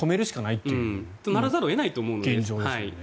そうならざるを得ないと思うので。